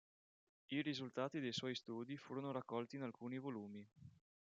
I risultati dei suoi studi furono raccolti in alcuni volumi.